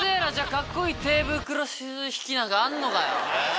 カッコいいテーブルクロス引きあんのかよ？